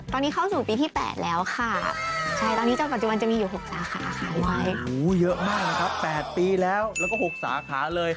ตอนนี้เข้าสู่ปีที่แปดแล้วค่ะใช่ตอนนี้เจ้าปัจจุมันจะมีอยู่หกสาขาค่ะโอ้โหเยอะมากนะครับแปดปีแล้วแล้วก็หกสาขาเลย